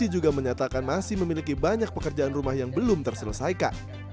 juga menyatakan masih memiliki banyak pekerjaan rumah yang belum terselesaikan